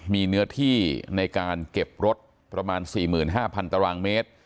มีเนื้อที่ในการเก็บรถประมาณ๔๕๐๐ตารางเมตร